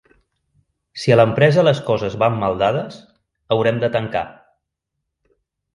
Si a l'empresa les coses van mal dades, haurem de tancar.